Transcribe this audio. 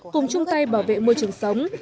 cùng chung tay bảo vệ môi trường sống